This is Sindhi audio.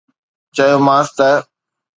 چيومانس ته